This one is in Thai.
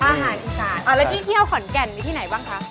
อาหารอีสานแล้วที่เที่ยวขอนแก่นมีที่ไหนบ้างคะ